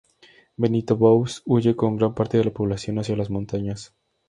Benito Boves huye con gran parte de la población hacia las montañas.